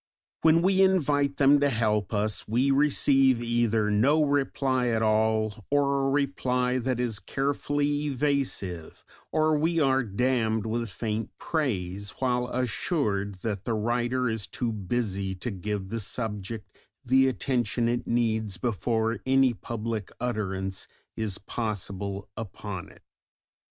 When we invite them to help us we receive either no reply at all, or a reply that is carefully evasive, or we are damned with faint praise while assured that the writer is too busy to give the subject the attention it needs before any public utterance is possible upon it.